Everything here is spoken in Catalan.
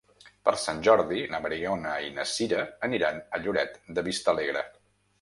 Per Sant Jordi na Mariona i na Sira aniran a Lloret de Vistalegre.